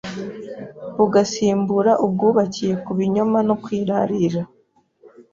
bugasimbura ubwubakiye ku binyoma no kwirarira